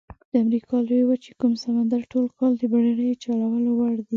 د امریکا لویې وچې کوم سمندرګي ټول کال د بېړیو چلولو وړ دي؟